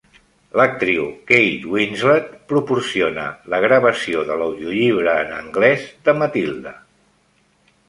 L'actriu Kate Winslet proporciona la gravació de l'audiollibre en anglès de "Matilda".